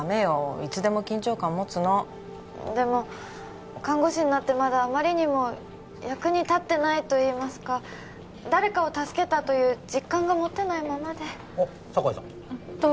いつでも緊張感持つのでも看護師になってまだあまりにも役に立ってないといいますか誰かを助けたという実感が持てないままであっ酒井さんどう？